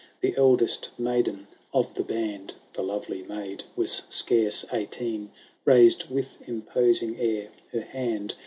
The eldest maiden of the band, I (The lovely maid was scarce eighteen,) Raised, with imposing air, her hand.